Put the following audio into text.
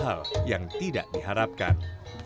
hal yang tidak diharapkan